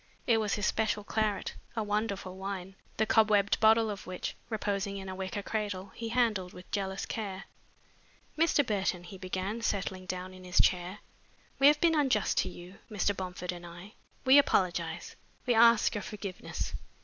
It was his special claret, a wonderful wine, the cobwebbed bottle of which, reposing in a wicker cradle, he handled with jealous care. "Mr. Burton," he began, settling down in his chair, "we have been unjust to you, Mr. Bomford and I. We apologize. We ask your forgiveness."